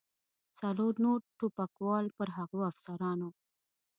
څلور نور ټوپکوال پر هغو افسرانو.